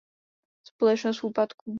Společnost v úpadku.